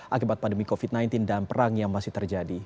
akibat pandemi covid sembilan belas dan perang yang masih terjadi